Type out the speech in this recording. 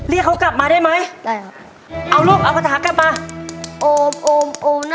เอาเมื่อกี้แล้วก่อน